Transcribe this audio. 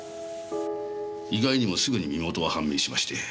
意外にもすぐに身元は判明しまして。